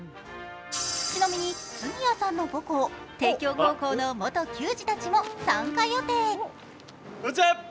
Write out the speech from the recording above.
ちなみに杉谷さんの母校帝京高校の元球児たちも参加予定。